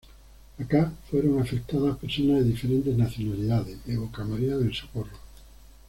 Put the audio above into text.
Acá fueron afectadas personas de diferentes nacionalidades"", evoca María del Socorro.